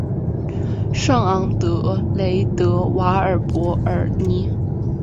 圣昂德雷德瓦尔博尔尼。